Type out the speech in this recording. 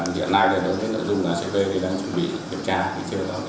giờ này đối với nội dung acv tôi đang chuẩn bị kiểm tra chưa có kết thúc kiểm tra